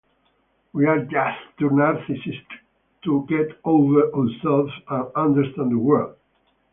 We are just to narcissistic to get over ourselves and understand the world.